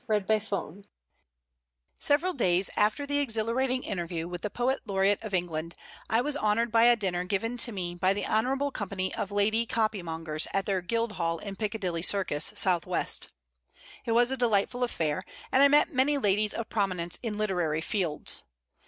ANDREW LANG Several days after the exhilarating interview with the Poet Laureate of England, I was honored by a dinner given to me by the Honorable Company of Lady Copy Mongers at their guildhall in Piccadilly Circus, S.W. It was a delightful affair, and I met many ladies of prominence in literary fields.